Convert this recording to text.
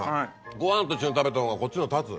ご飯と一緒に食べた方がこっちの方が立つ。